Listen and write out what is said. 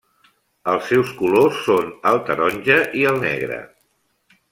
Els seus colors són el taronja i el negre.